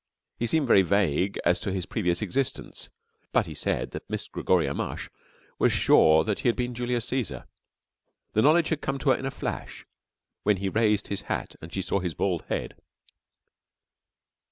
He seemed very vague as to his previous existence, but he said that Miss Gregoria Mush was sure that he had been Julius Cæsar. The knowledge had come to her in a flash when he raised his hat and she saw his bald head.